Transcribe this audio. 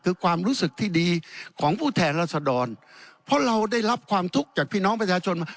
คือความรู้สึกที่ดีของผู้แทนรัศดรเพราะเราได้รับความทุกข์จากพี่น้องประชาชนมา